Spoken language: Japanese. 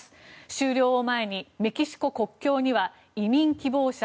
終了を前にメキシコ国境には移民希望者